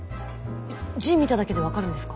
えっ字見ただけで分かるんですか？